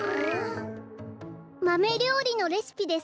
マメりょうりのレシピです。